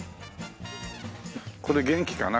これ元気かな？